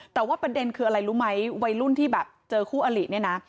แต่ว่าประเด็นคืออะไรรู้ไหมวัยรุ่นที่แบบเจอคู่อลิเนี่ยนะ